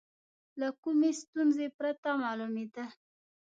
له کومې ستونزې پرته معلومېدل.